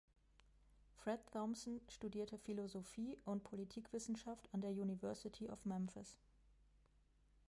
Fred Thompson studierte Philosophie und Politikwissenschaft an der University of Memphis.